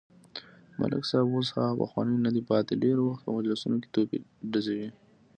ملک صاحب اوس هغه پخوانی ندی پاتې، ډېری وخت په مجلسونو کې توپې ډزوي.